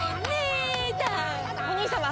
お兄様！